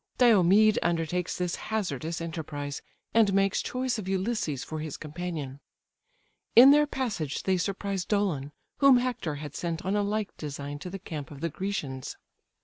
Diomed undertakes this hazardous enterprise, and makes choice of Ulysses for his companion. In their passage they surprise Dolon, whom Hector had sent on a like design to the camp of the Grecians.